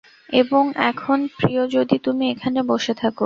এবং এখন, প্রিয়, যদি তুমি এখানে বসে থাকো।